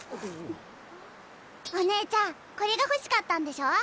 おねえちゃんこれが欲しかったんでしょ？